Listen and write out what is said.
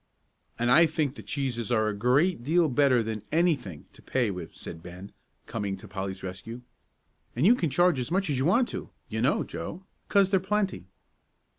"And I think the cheeses are a great deal better than anything, to pay with," said Ben, coming to Polly's rescue. "And you can charge as much as you want to, you know, Joe, 'cause they're plenty."